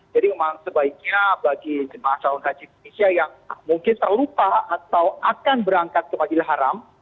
jadi memang sebaiknya bagi jemaah calon haji indonesia yang mungkin terlupa atau akan berangkat ke majidil haram